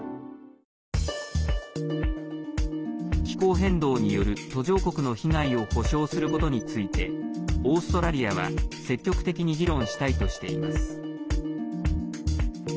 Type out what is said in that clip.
気候変動による途上国の被害を補償することについてオーストラリアは積極的に議論したいとしています。